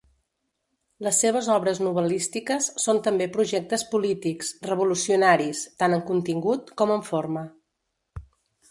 Les seves obres novel·lístiques són també projectes polítics, revolucionaris, tant en contingut com en forma.